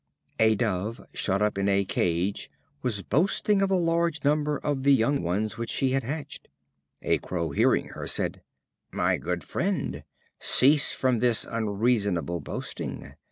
A Dove shut up in a cage was boasting of the large number of the young ones which she had hatched. A Crow, hearing her, said: "My good friend, cease from this unreasonable boasting.